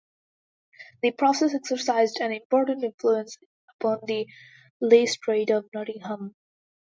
The process exercised an important influence upon the lace trade of Nottingham.